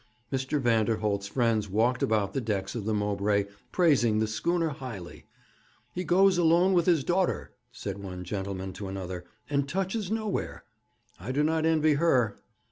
Mr. Vanderholt's friends walked about the decks of the Mowbray, praising the schooner highly. 'He goes alone with his daughter,' said one gentleman to another, 'and touches nowhere. I do not envy her.'